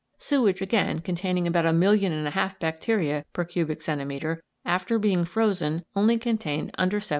Sewage, again, containing about a million and a half bacteria per cubic centimetre after being frozen only contained under 74,000.